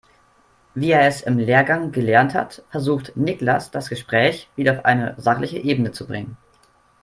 Wie er es im Lehrgang gelernt hat, versucht Niklas das Gespräch wieder auf eine sachliche Ebene zu bringen.